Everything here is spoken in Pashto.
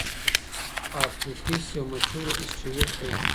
اپوفیس یو مشهور اسټروېډ دی.